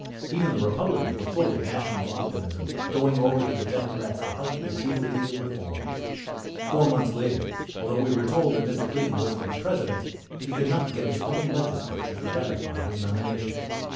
Even the Republicans were full of national optimism, going over to the Democrats to help the jubilee of reform. Four months later, although we were told that Mr. Cleveland was to be President, he could not get his own legislature to ratify his nomination.